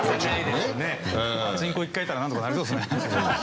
パチンコ１回行ったらなんとかなりそうですね。